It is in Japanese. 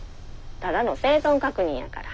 ただの生存確認やから。